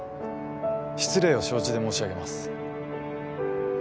失礼を承知で申し上げます。